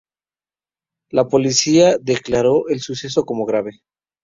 La policía declaró el suceso como grave.